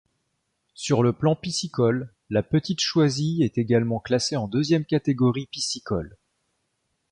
Sur le plan piscicole, la Petite Choisille est également classée en deuxième catégorie piscicole.